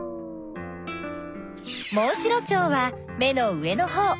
モンシロチョウは目の上のほう。